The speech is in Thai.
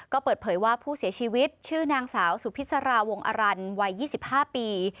ก็เปิดเผยว่าผู้เสียชีวิตชื่อนางสาวสุพิษราวงอรันวัย๒๕ปี